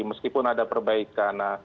meskipun ada perbaikan